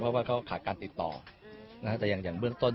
เพราะว่าเขาขาดการติดต่อแต่อย่างเบื้องต้น